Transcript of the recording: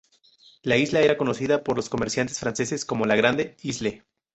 La isla era conocida por los comerciantes franceses como La Grande Isle.